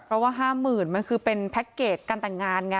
เพราะว่า๕๐๐๐มันคือเป็นแพ็คเกจการแต่งงานไง